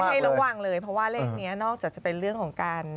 ให้ระวังเลยเพราะว่าเลขนี้นอกจากจะเป็นเรื่องของการ